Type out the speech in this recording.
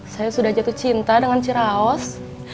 saya sudah jatuh cinta dengan ciraos